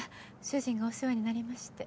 主人がお世話になりまして。